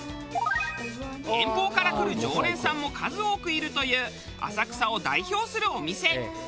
遠方から来る常連さんも数多くいるという浅草を代表するお店。